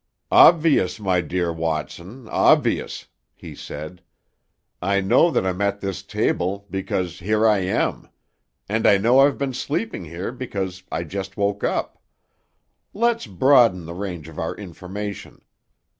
"Obvious, my dear Watson, obvious," he said. "I know that I'm at this table, because here I am; and I know I've been sleeping here because I just woke up. Let's broaden the range of our information.